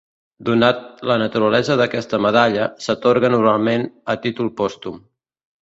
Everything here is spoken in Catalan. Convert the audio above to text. Donat la naturalesa d'aquesta medalla, s'atorga normalment a títol pòstum.